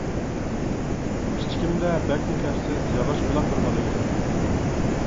كىچىكىمدە بەكمۇ كەپسىز، ياغاچ قۇلاق بىر بالا ئىدىم.